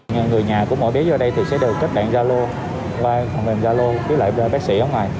người nhà của mỗi bé vô đây thì sẽ đều kết đạn gia lô và phòng mềm gia lô với lại bác sĩ ở ngoài